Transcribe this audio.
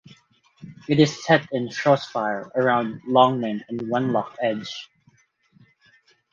It is set in Shropshire around Long Mynd and Wenlock Edge.